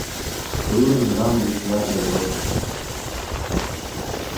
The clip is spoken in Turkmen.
“Döwür elmydama üýtgär-de durar